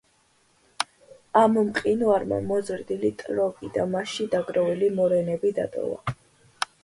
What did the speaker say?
ამ მყინვარმა მოზრდილი ტროგი და მასში დაგროვილი მორენები დატოვა.